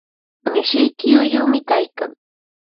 Mishiyki uyumi kaykan.